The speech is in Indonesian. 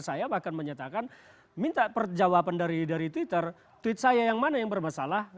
saya bahkan menyatakan minta jawaban dari twitter tweet saya yang mana yang bermasalah